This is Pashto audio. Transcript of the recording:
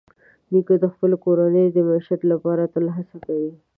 نیکه د خپلې کورنۍ د معیشت لپاره تل هڅه کوي.